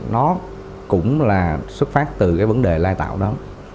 nó cũng là xuất phát từ cái vấn đề lai tạo đó